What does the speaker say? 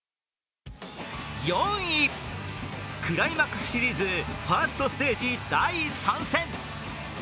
４位、クライマックスシリーズファーストステージ第３戦。